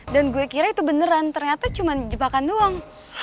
dan gue kira itu beneran ternyata cuma jebakan doang